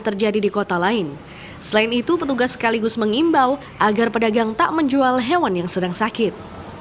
selain itu petugas sekaligus mengimbau agar pedagang tak menjual hewan yang sedang sakit